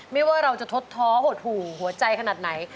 ไม่ว่าเราจะทดท้อหดหู่หัวใจขนาดไหน